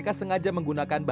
langsung tentang sesuatu itu